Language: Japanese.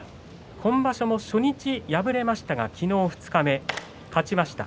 今場所も初日、敗れましたが昨日、二日目、勝ちました。